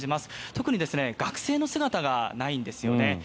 特に学生の姿がないんですよね。